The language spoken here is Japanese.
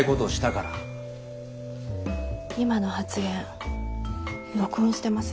今の発言録音してます。